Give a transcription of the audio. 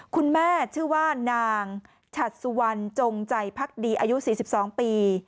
คุณแม่ชื่อว่านางฉัดสุวรรณจงใจพักดีอายุ๔๒ปี